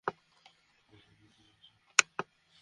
তোমার মেয়ে দিয়েছে।